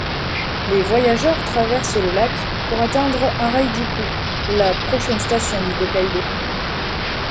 Les voyageurs traversaient le lac pour atteindre Arai-juku, la prochaine station du Tōkaidō.